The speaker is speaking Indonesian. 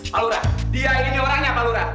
palura dia ini orangnya palura